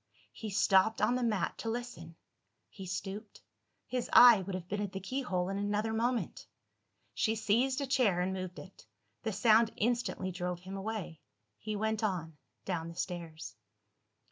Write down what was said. He stopped on the mat to listen he stooped his eye would have been at the keyhole in another moment. She seized a chair, and moved it. The sound instantly drove him away. He went on, down the stairs.